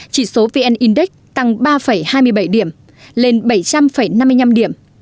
trị số vn index tăng ba hai mươi bảy điểm lên bảy trăm linh năm mươi năm điểm